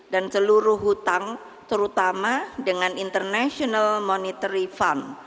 dan seluruh hutang terutama dengan international monetary fund